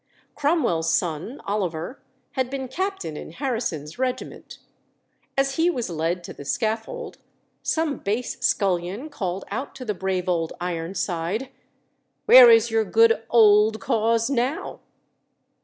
Cromwell's son Oliver had been captain in Harrison's regiment. As he was led to the scaffold some base scullion called out to the brave old Ironside, "Where is your good old cause now?"